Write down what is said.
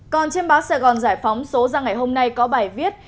còn trên báo sài gòn giải phóng số ra ngày hôm nay có bài viết